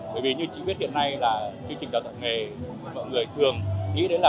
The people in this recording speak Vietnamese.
bởi vì như chị biết hiện nay là chương trình đào tạo nghề mọi người thường nghĩ đến là